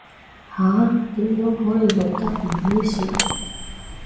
下，點樣可以露得唔猥褻